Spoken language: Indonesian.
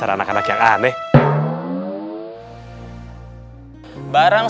kalau kalian ngerti